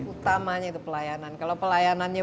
utamanya itu pelayanan kalau pelayanannya